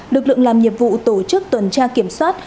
lực lượng làm nhiệm vụ tổ chức tuần tra kiểm soát